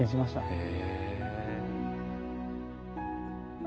へえ。